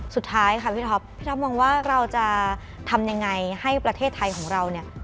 สุดท้ายค่ะพี่ท็อปพี่ท็อปมองว่าเราจะทำยังไงให้ประเทศไทยของเราเนี่ย